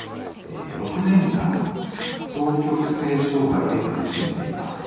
「６年間双極性障害で苦しんでいます。